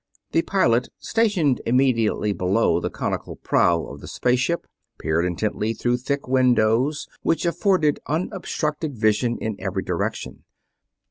The pilot, stationed immediately below the conical prow of the space ship, peered intently through thick windows which afforded unobstructed vision in every direction.